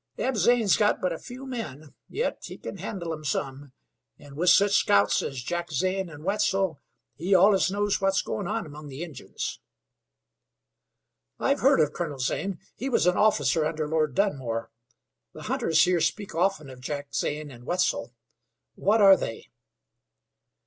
Eb Zane's got but a few men, yet he kin handle 'em some, an' with such scouts as Jack Zane and Wetzel, he allus knows what's goin' on among the Injuns." "I've heard of Colonel Zane. He was an officer under Lord Dunmore. The hunters here speak often of Jack Zane and Wetzel. What are they?"